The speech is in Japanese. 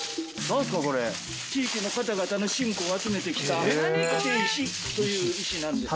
地域の方々の信仰を集めて来た竪石という石なんですが。